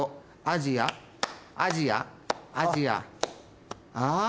アジアアジアアジアあ？